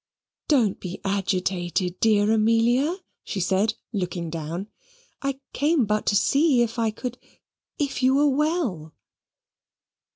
"Don't be agitated, dear Amelia," she said, looking down. "I came but to see if I could if you were well."